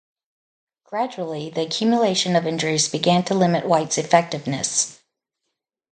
Gradually, the accumulation of injuries began to limit White's effectiveness.